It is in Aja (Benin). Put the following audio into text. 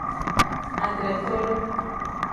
Adretolo.